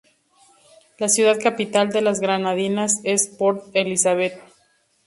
La ciudad capital de las Granadinas es Port Elizabeth.